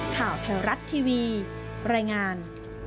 ข่าวแถวรัฐทีวีรายงาน